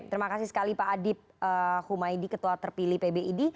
terima kasih sekali pak adip humaydi ketua terpilih pbid